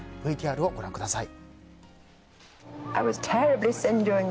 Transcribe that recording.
ＶＴＲをご覧ください。